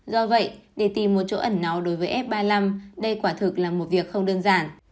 do vậy để tìm một chỗ ẩn náu đối với f ba mươi năm đây quả thực là một việc không đơn giản